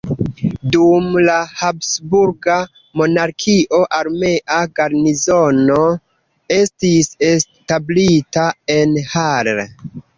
Dum la Habsburga monarkio armea garnizono estis establita en Hall.